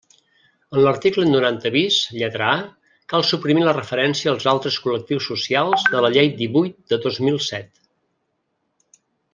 En l'article noranta bis, lletra a, cal suprimir la referència als altres col·lectius socials de la Llei divuit de dos mil set.